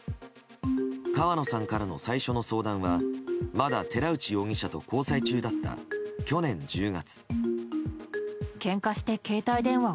川野さんからの最初の相談はまだ寺内容疑者と交際中だった去年１０月。